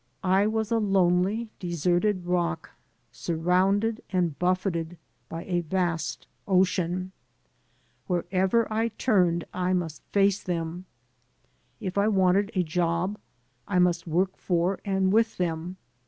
I was a lonely, deserted rock surrounded and buffeted by a vast ocean. Wherever I turned I must face them. If I wanted a job, I must work for and with them.